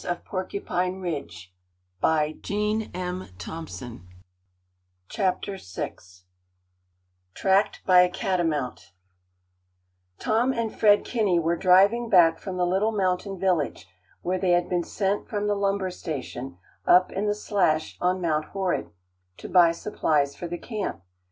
[Illustration: TRACKED BY A CATAMOUNT] VI TRACKED BY A CATAMOUNT Tom and Fred Kinney were driving back from the little mountain village, where they had been sent from the lumber station, up in the "Slash" on Mount Horrid, to buy supplies for the camp.